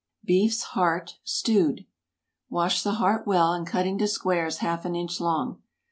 BEEF'S HEART—STEWED. Wash the heart well, and cut into squares half an inch long.